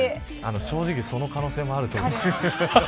正直その可能性もあると思う。